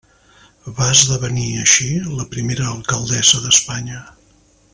Va esdevenir, així, la primera alcaldessa d’Espanya.